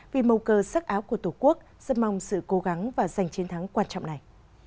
vì mầu cờ sắc áo của tổ quốc rất mong sự cố gắng và giành chiến thắng quan trọng này